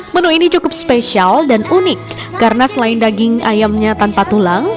menu ini cukup spesial dan unik karena selain daging ayamnya tanpa tulang